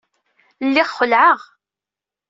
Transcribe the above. Lliɣ xelɛeɣ.